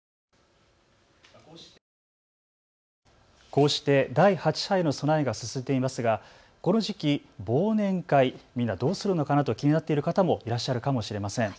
こうして第８波への備えが進んでいますがこの時期、忘年会、みんな、どうするのかなと気になってる方もいらっしゃるかもしれません。